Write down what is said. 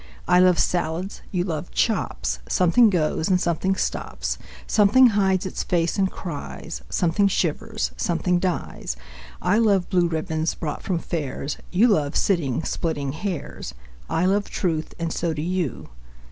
I love salads ... you love chops; Something goes and something stops. Something hides its face and cries; Something shivers; something dies. I love blue ribbons brought from fairs; You love sitting splitting hairs. I love truth, and so do you